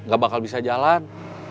gak bakal bisa jalan